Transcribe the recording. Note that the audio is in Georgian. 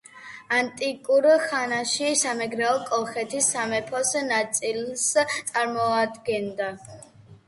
ანტიკურ ხანაში სამეგრელო კოლხეთის სამეფოს ნაწილს წარმოადგენდა.